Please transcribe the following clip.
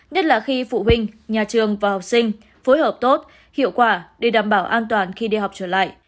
nhất là khi phụ huynh nhà trường và học sinh phối hợp tốt hiệu quả để đảm bảo an toàn khi đi học trở lại